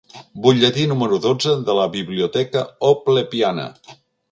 Butlletí número dotze de la «Biblioteca Oplepiana».